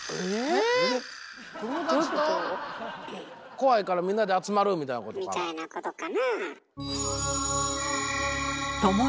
怖いからみんなで集まるみたいな？みたいなことかなあ。